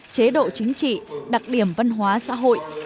chế độ chính trị đặc điểm văn hóa xã hội